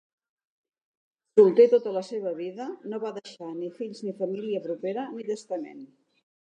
Solter tota la seva vida, no va deixar ni fills ni família propera ni testament.